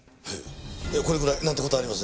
これぐらいなんて事ありません。